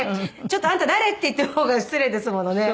「ちょっとあんた誰？」って言ってる方が失礼ですものね。